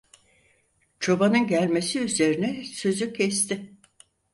Çobanın gelmesi üzerine sözü kesti.